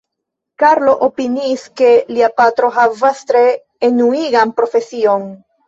Karlo opiniis, ke lia patro havas tre enuigan profesion.